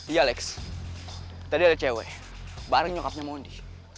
iya lex tadi ada cewek bareng nyokapnya mondi